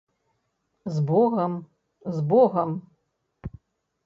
З богам, з богам!